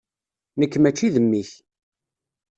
Nekk mačči d mmi-k.